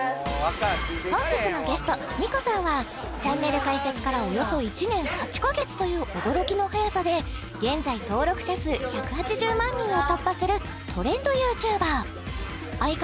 本日のゲストＮＩＣＯさんはチャンネル開設からおよそ１年８カ月という驚きの速さで現在登録者数１８０万人を突破するトレンドＹｏｕＴｕｂｅｒ相方